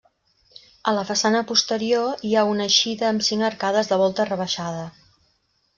A la façana posterior hi ha una eixida amb cinc arcades de volta rebaixada.